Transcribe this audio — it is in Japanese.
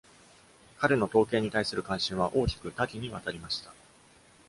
彼の統計に対する関心は大きく、多岐にわたりました。